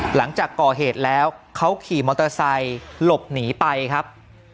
หลังจากก่อเหตุแล้วเขาขี่มอเตอร์ไซค์หลบหนีไปครับ